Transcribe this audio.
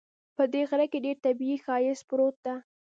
په دې غره کې ډېر طبیعي ښایست پروت ده